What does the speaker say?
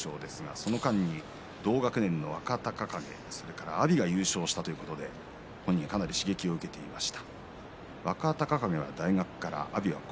その間に同学年の若隆景、阿炎優勝したということで本人は刺激を受けていました。